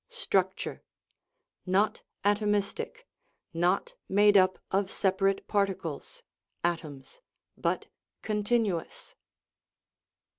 Structure: Not atomistic, not made up of separate particles (atoms), but continuous.